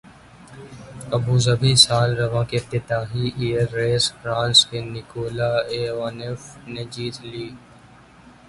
Abu Dhabi سال رواں کی افتتاحی ایئر ریس فرانس کے نکولا ایوانوف نے جیت لی